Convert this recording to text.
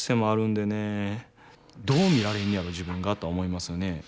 どう見られんねやろ自分がとは思いますよね。